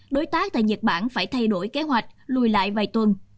đối tác tại nhật bản phải thay đổi kế hoạch lùi lại vài tuần